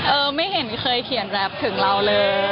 เออไม่เห็นเคยเขียนแรปถึงเราเลย